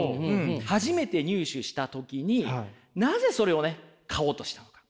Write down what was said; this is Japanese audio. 初めて入手した時になぜそれをね買おうとしたのか？